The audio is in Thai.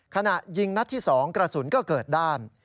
ขณะยิงนัดที่๒กระสุนก็เกิดด้าน